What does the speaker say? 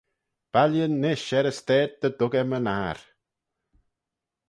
Baillin nish er e stayd dy dug eh my-ner!